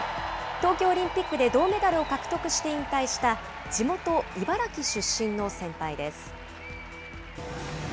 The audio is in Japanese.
東京オリンピックで銅メダルを獲得して引退した地元茨城出身の先輩です。